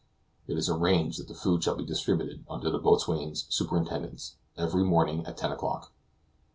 It is arranged that the food shall be distributed under the boatswain's superintendence every morning at ten o'clock.